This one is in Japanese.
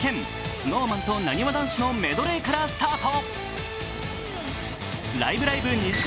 ＳｎｏｗＭａｎとなにわ男子のメドレーからスタート。